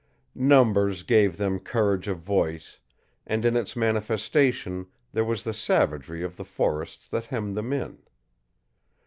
Numbers gave them courage of voice, and in its manifestation there was the savagery of the forests that hemmed them in.